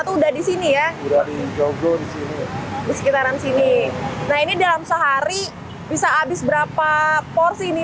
sudah di jogor disini di sekitaran sini nah ini dalam sehari bisa habis berapa porsi ini